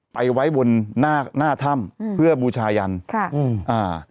ไปไว้บนหน้าหน้าถ้ำอืมเพื่อบูชายันค่ะอืมอ่า